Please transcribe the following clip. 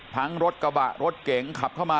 ทั้งรถกระบะรถเก๋งขับเข้ามา